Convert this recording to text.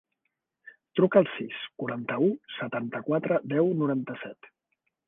Truca al sis, quaranta-u, setanta-quatre, deu, noranta-set.